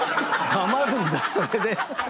黙るんだそれで。